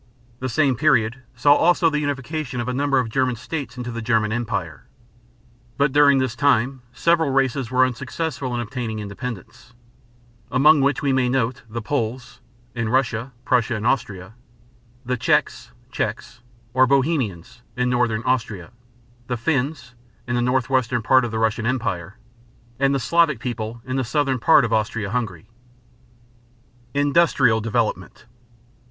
The same period saw also the unification of a number of German states into the German Empire. But during this time several races were unsuccessful in obtaining independence, among which we may note the Poles (in Russia, Prussia, and Austria), the Czechs (checks), or Bohemians (in northern Austria), the Finns (in the northwestern part of the Russian Empire), and the Slavic people in the southern part of Austria Hungary. INDUSTRIAL DEVELOPMENT.